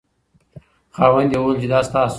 خاوند یې وویل چې دا ستا شو.